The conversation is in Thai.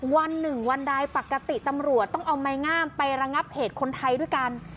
วันหนึ่งวันใดปกติตำรวจต้องเอาไม้งามไประงับเหตุคนไทยด้วยกัน